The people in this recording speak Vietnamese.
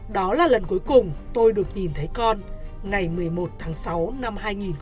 đó là lần cuối cùng tôi được nhìn thấy con ngày một mươi một tháng sáu năm hai nghìn hai mươi